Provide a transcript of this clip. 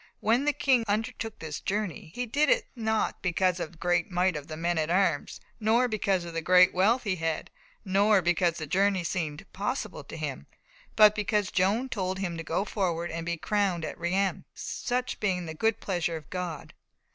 "When the King undertook this journey, he did it not because of the great might of the men at arms, nor because of the great wealth he had, nor because the journey seemed possible to him, but because Joan told him to go forward and be crowned at Reims, such being the good pleasure of God."